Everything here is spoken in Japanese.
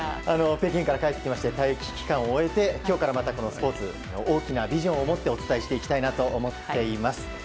北京から帰ってきまして待機期間を終えてスポーツ大きなビジョンを持ってお伝えしていきたいなと思っています。